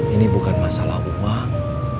ini bukan masalah uang